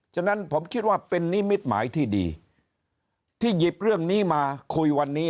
ฉะนั้นผมคิดว่าเป็นนิมิตหมายที่ดีที่หยิบเรื่องนี้มาคุยวันนี้